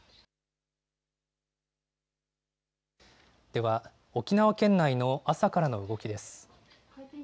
では、沖縄県内の朝からの動きです。